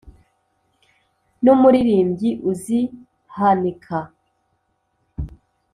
n’ umuririmbyi uzihanika